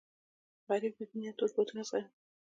غریب د دنیا تود بادونه زغمي